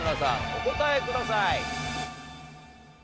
お答えください。